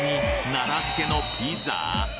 奈良漬のピザ？